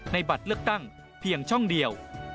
บัตรเลือกตั้งเพียงช่องเดียว